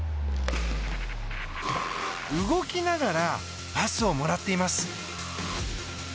動きながらパスをもらっています。